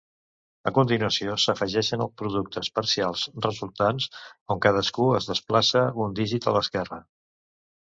A continuació, s'afegeixen els productes parcials resultants on cadascun es desplaça un dígit a l'esquerra.